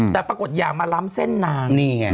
แต่ปรากฏอย่ามาล้ำเส้นนางนี่ไง